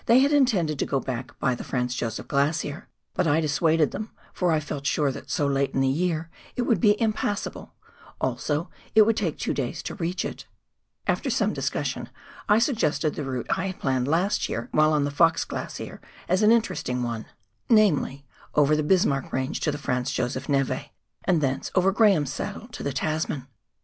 They had intended to go back by the Franz Josef Glacier, but I dissuaded them, for I felt sure that so late in the year it would be impassable, also it would take two days to reach it. After some discussion I suggested the route I had planned last year while on the Fox Glacier as an interesting one —* Sec Appendix, Note V. 272 PIONEER WORK IN THE ALPS OF NEW ZEALAND. namely, over the Bismarck Range to tlie Franz Josef neve, and thence over Graham's Saddle to the Tasman.